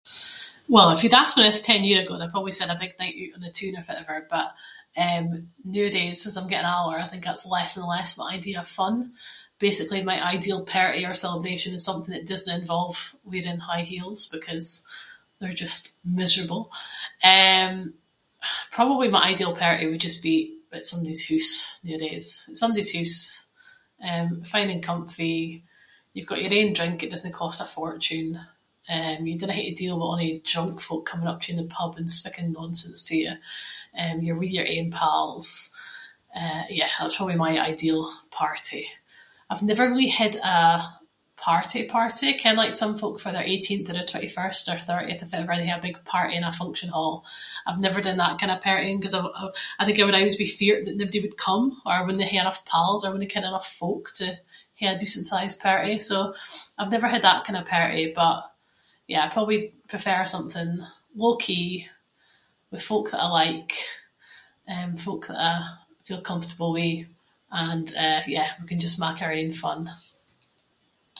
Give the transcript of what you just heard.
Well, if you’d asked me this ten year ago I’d have always said a big night oot on the toon or fittever, but nooadays ‘cause I’m getting older I think that’s less and less my idea of fun. Basically, my ideal party or celebration is something that doesnae involve wearing high heels, because they’re just miserable. Eh probably my ideal party would just be at somebody’s hoose nooadays. Somebody’s hoose, eh fine and comfy, you’ve got your own drink that doesnae cost a fortune, eh you dinna hae to deal with all they drunk folk coming up to you in the pub and speaking nonsense to you, eh you’re with your own pals. Eh yeah, that’s probably my ideal party. I’ve never really had a party party, ken like some folk for their eighteenth or their twenty-first or thirtieth or fittever, they have a big party in a function hall. I’ve never done that kind of partying ‘cause I’ve- I think I would aieways be feart that nobody would come, or I wouldnae hae enough pals or I wouldnae ken enough folk to hae a decent sized party, so I’ve never had that kind of party. But yeah, I probably prefer something low-key, with folk that I like, eh folk that I feel comfortable with, and eh yeah, we can just mak our own fun.